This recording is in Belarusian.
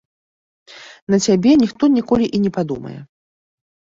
На цябе ніхто ніколі і не падумае.